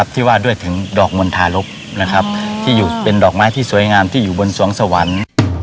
ที่ว่าด้วยถึงดอกมณฑารบที่อยู่เป็นดอกไม้ที่สวยงามที่อยู่บนสวงสวรรค์